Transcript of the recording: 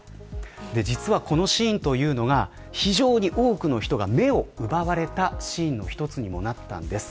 実はこのシーンというのは非常に多くの人が目を奪われたシーンの一つにもなったんです。